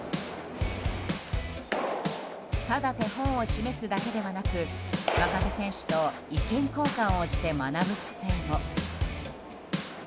ただ手本を示すだけではなく若手選手と意見交換をして学ぶ姿勢も。